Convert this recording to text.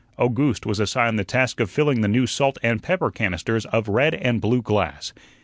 Owgooste was assigned the task of filling the new salt and pepper canisters of red and blue glass.